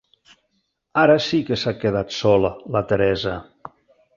Ara sí que s'ha quedat sola, la Teresa.